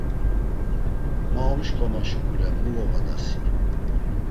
Ma omşǩoma şuǩule mu voğoda si?